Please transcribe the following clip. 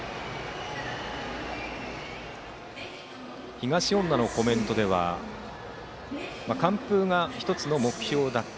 東恩納のコメントでは完封が１つの目標だった。